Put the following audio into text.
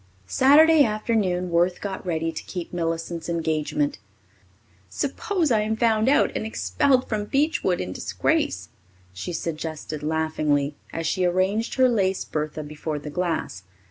Saturday afternoon Worth got ready to keep Millicent's engagement. "Suppose I am found out and expelled from Beechwood in disgrace," she suggested laughingly, as she arranged her lace bertha before the glass.